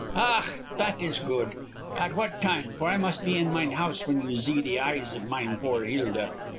"Ach, dat is goot. At what time, for I must be in mine house when you zee the eyes of mine poor Hilda."